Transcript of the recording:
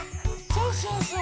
そうそうそう。